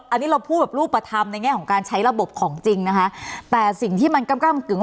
อันนี้เราพูดแบบรูปธรรมในแง่ของการใช้ระบบของจริงนะคะแต่สิ่งที่มันกล้ำกึ่ง